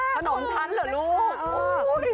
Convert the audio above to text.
ขนมฉันเหรอลูก